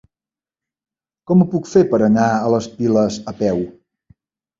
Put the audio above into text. Com ho puc fer per anar a les Piles a peu?